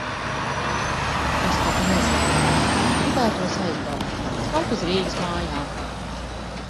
Es pat nezinu. Gribētos aizbraukt. Kaut uz Rīgas mājām.